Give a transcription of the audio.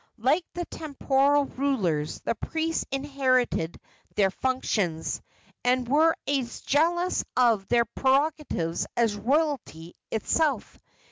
Like the temporal rulers, the priests inherited their functions, and were as jealous of their prerogatives as royalty itself.